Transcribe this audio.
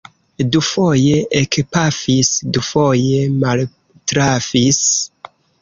Dufoje ekpafis; dufoje maltrafis.